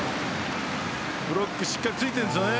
ブロックしっかりついているんですよね